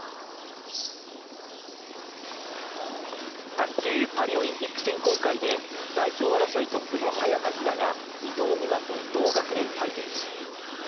卓球パリオリンピック選考会で代表争いトップの早田ひなが伊藤美誠と同学年対決。